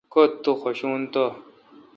کتہ تو خوشون تہ۔